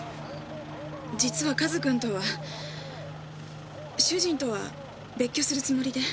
実はカズ君とは主人とは別居するつもりで。